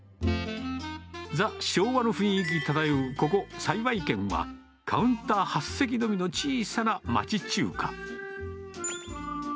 ザ・昭和の雰囲気漂うここ、幸軒はカウンター８席のみの小さな町中華。